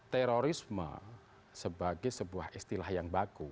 terorisme sebagai sebuah istilah yang baku